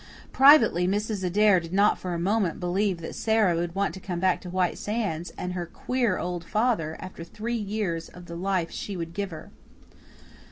Privately, Mrs. Adair did not for a moment believe that Sara would want to come back to White Sands, and her queer old father, after three years of the life she would give her.